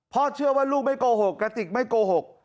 เชื่อว่าลูกไม่โกหกกระติกไม่โกหก